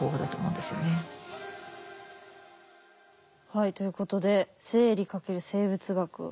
はいということで「生理×生物学」。